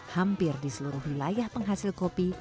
hampir di seluruh wilayah penghasil kopi